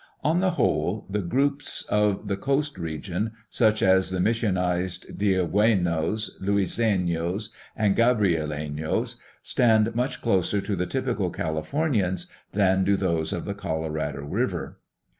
On the whole the groups of the coast region, such as the missionized Dieguenos, Luisenos, and Gabrielinos, stand much closer to the typical Calif ornians than do those of the Colorado river.